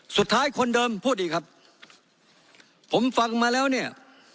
คนเดิมพูดอีกครับผมฟังมาแล้วเนี่ย